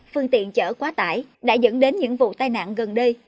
phương tiện chở quá tải đã dẫn đến những vụ tai nạn gần đây